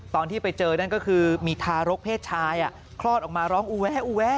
ตอนที่ไปเจอนั่นก็คือมีทารกเพศชายคลอดออกมาร้องอูแวะอูแวะ